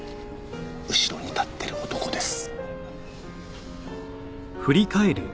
後ろに立ってる男です。